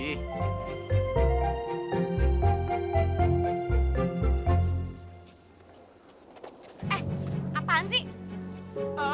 eh apaan sih